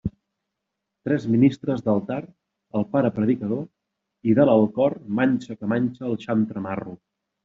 Tres ministres d'altar, el pare predicador, i dalt al cor manxa que manxa el xantre Marro.